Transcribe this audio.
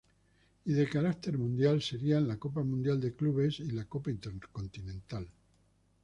Y de carácter mundial serían la Copa Mundial de Clubes y la Copa Intercontinental.